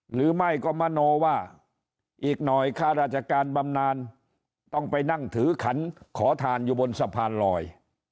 หรือไม่ก็มโนว่าอีกหน่อยข้าราชการบำนานต้องไปนั่งถือขันขอทานอยู่บนสะพานลอย